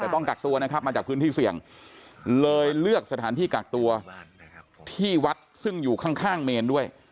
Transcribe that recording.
แต่ต้องกักตัวนะครับมาจากพื้นที่เสี่ยงเลยเลือกสถานที่กักตัวที่วัดซึ่งอยู่ข้างเมนด้วย